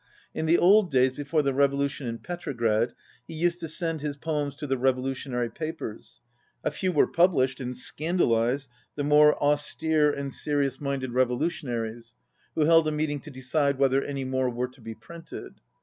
In the old days before the revolution in Petrograd he used to send his poems to the revolutionary papers. A few were published and scandalized the more austere and serious minded revolutionaries, who held a meeting to decide whether any more were to be printed.